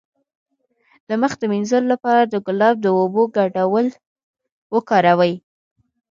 د مخ د مینځلو لپاره د ګلاب او اوبو ګډول وکاروئ